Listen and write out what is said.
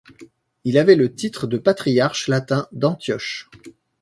Il avait le titre de patriarche latin d'Antioche.